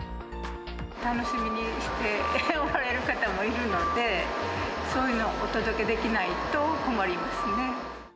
楽しみにしておられる方もいるので、そういうの、お届けできないと困りますね。